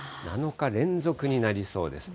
７日連続になりそうです。